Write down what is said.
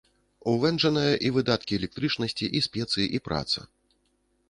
У вэнджанае і выдаткі электрычнасці, і спецыі, і праца.